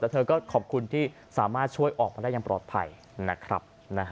แต่เธอก็ขอบคุณที่สามารถช่วยออกมาได้อย่างปลอดภัยนะครับ